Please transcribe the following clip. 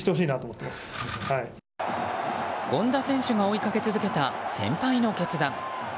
権田選手が追いかけ続けた先輩の決断。